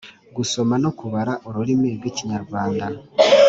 gusoma no kubara Ururimi rw’ikinyarwanda